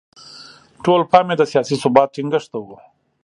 ټول پام یې د سیاسي ثبات ټینګښت ته و.